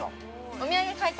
◆お土産買いたい。